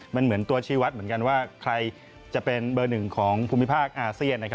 มันเหมือนตัวชีวัตรเหมือนกันว่าใครจะเป็นเบอร์หนึ่งของภูมิภาคอาเซียน